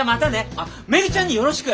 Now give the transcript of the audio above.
あっめぐちゃんによろしく。